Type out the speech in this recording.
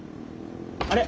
あれ？